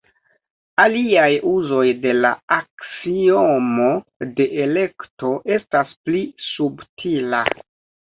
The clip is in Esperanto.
Aliaj uzoj de la aksiomo de elekto estas pli subtila.